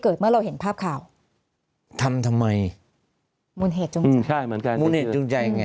เกิดเมื่อเราเห็นภาพข่าวทำทำไมมูลเหตุค่ะมูลเหตุจูงใจ